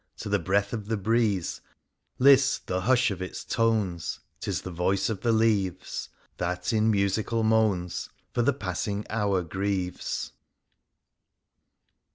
To the breath of the breeze ; list the hush of its tones, *Tis the voice of the leaves. That, in musical moans. For the passing hour grieves.